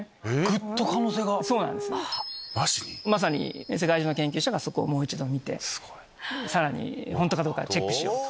まさに世界中の研究者がそこをもう一度見てさらに本当かどうかチェックしようと。